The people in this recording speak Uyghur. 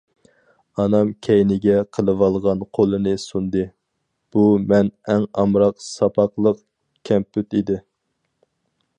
ئانام كەينىگە قىلىۋالغان قولىنى سۇندى، بۇ مەن ئەڭ ئامراق ساپاقلىق كەمپۈت ئىدى.